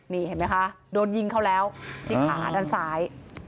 นี่เห็นไหมคะโดนยิงเขาแล้วที่ขาด้านซ้าย